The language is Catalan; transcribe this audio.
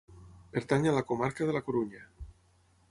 Pertany a la comarca de la Corunya.